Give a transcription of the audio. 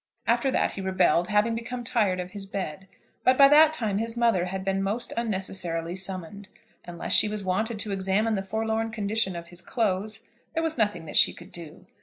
After that he rebelled, having become tired of his bed. But by that time his mother had been most unnecessarily summoned. Unless she was wanted to examine the forlorn condition of his clothes, there was nothing that she could do.